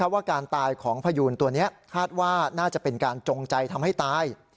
ว่าการตายของพยูนตัวนี้คาดว่าน่าจะเป็นการจงใจทำให้ตาย